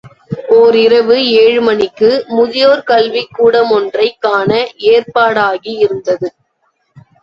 ஒரிரவு ஏழு மணிக்கு, முதியோர் கல்விக் கூடமொன்றைக் காண ஏற்பாடாகி இருந்தது.